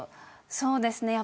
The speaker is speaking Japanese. そうですね。